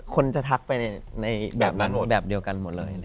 คนจะทักไปในแบบนั้นแบบเดียวกันหมดเลย